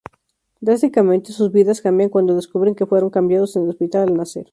Drásticamente, sus vidas cambian cuando descubren que fueron cambiados en el hospital al nacer.